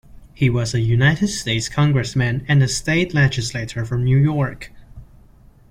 He was a United States Congressman and a state legislator from New York.